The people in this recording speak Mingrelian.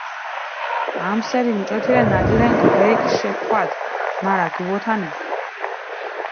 ამსერი მუჭოთირენ ნადირენქ ბრელქ შეფხვადჷ, მარა გუვოთანე.